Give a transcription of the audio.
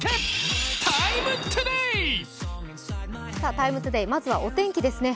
「ＴＩＭＥ，ＴＯＤＡＹ」、まずはお天気ですね。